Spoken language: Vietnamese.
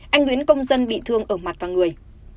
anh nguyễn công dân bị thương ở mặt và người